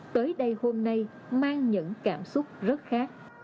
tới đây hôm nay mang những cảm xúc rất khác